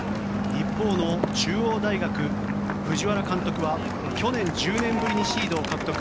一方の中央大学、藤原監督は去年、１０年ぶりにシードを獲得。